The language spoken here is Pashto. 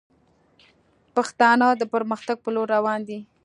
پښتانه د پرمختګ پر لور روان دي